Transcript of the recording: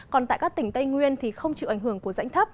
còn tại các tỉnh tây nguyên thì không chịu ảnh hưởng của rãnh thấp